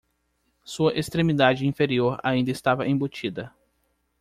Sua extremidade inferior ainda estava embutida.